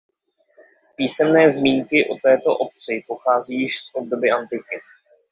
Písemné zmínky o této obci pocházejí již z doby Antiky.